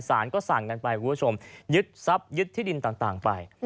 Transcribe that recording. สารก็สั่งกันไปคุณผู้ชมยึดทรัพย์ยึดที่ดินต่างไป